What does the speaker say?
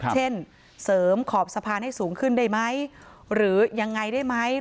เช่นเสริมขอบสะพานให้สูงขึ้นได้ไหมหรือยังไงได้ไหม